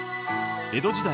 江戸時代